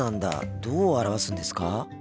どう表すんですか？